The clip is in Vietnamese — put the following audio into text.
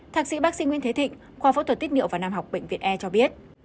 thạc sĩ bác sĩ nguyễn thế thịnh khoa phẫu thuật tiết niệu và nam học bệnh viện e cho biết